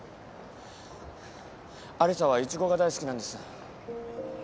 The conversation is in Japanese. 有沙はイチゴが大好きなんです。